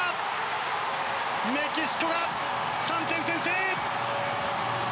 メキシコが３点先制！